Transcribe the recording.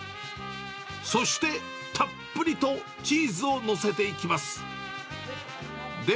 そしてたっぷりとチーズを載せていきます。